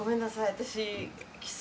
私。